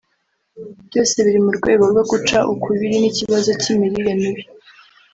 byose biri mu rwego rwo guca ukubiri n’ikibazo cy’imirire mibi